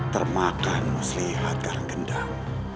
termakan muslihat karangkendang